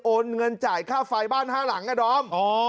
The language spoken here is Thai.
โอนเงินจ่ายค่าไฟบ้านห้าหลังอ่ะดอม